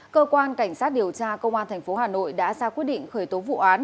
cơ quan cảnh sát điều tra công an tp hà nội đã ra quyết định khởi tố vụ án